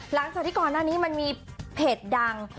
หลังจากที่ก่อนหน้านี้มันมีเพจดัง